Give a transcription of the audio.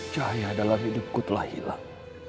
cahaya dalam hidupku telah hilang